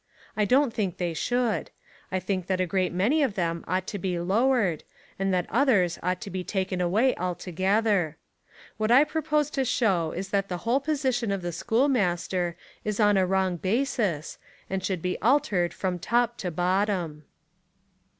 I don't think they should. I think that a great many of them ought to be lowered and that others ought to be taken away altogether. What I propose to show is that the whole position of the schoolmaster is on a wrong basis and should be altered from top to bottom.